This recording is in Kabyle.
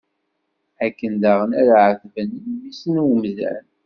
Akken daɣen ara ɛetben mmi-s n umdan.